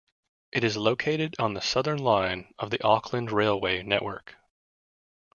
It is located on the Southern Line of the Auckland railway network.